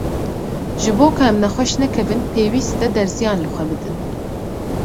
ji bo ku em nexweş nekevin, pêwîst e derziyan li xwe bidin.